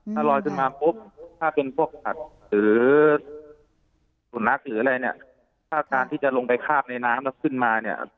ถ้าลอยขึ้นมาปุ๊บถ้าเป็นพวกผักหรือสุนัขหรืออะไรเนี่ยถ้าการที่จะลงไปคาบในน้ำแล้วขึ้นมาเนี่ย